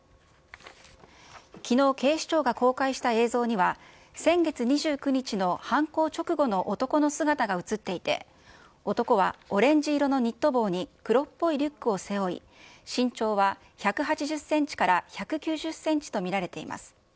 きのう、警視庁が公開した映像には、先月２９日の犯行直後の男の姿が写っていて、男はオレンジ色のニット帽に黒っぽいリュックを背負い、身長は１８０センチから１９０センチと見られています。